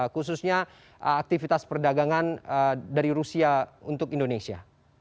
khususnya aktivitas perdagangan dari rusia untuk indonesia